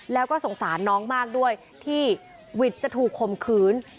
แล้วก็สงสารน้องมากด้วยที่วิทย์จะถูกข่มขืน